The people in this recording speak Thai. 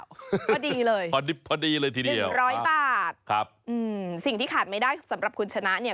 พอดีเลยพอดีพอดีเลยทีเดียวร้อยบาทครับอืมสิ่งที่ขาดไม่ได้สำหรับคุณชนะเนี่ย